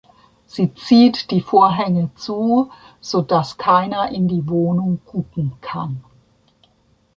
Sie zieht die Vorhänge zu, so dass keiner in die Wohnung gucken kann.